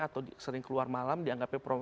atau sering keluar malam dianggapnya pro